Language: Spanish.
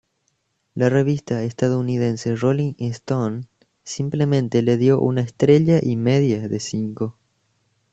La revista estadounidense "Rolling Stone" simplemente le dio una estrella y media de cinco.